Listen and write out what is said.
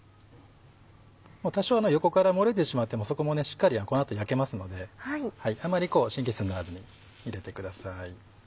多少は横から漏れてしまってもそこもしっかりこの後焼けますのであまり神経質にならずに入れてください。